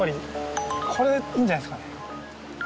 これいいんじゃないっすかね。